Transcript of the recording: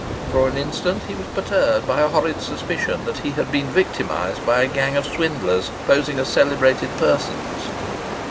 For an instant he was perturbed by a horrid suspicion that he had been victimized by a gang of swindlers posing as celebrated persons.